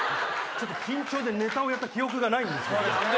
緊張でネタをやった記憶がないんですけどね。